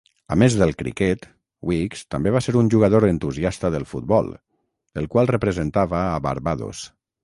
A més del criquet, Weekes també va ser un jugador entusiasta del futbol, el qual representava a Barbados.